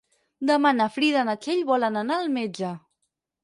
Demà na Frida i na Txell volen anar al metge.